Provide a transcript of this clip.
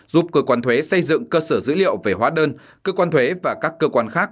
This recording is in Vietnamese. giúp cơ quan thuế xây dựng cơ sở dữ liệu về hóa đơn cơ quan thuế và các cơ quan khác